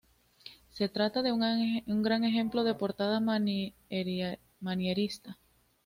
Se trata de un gran ejemplo de portada manierista.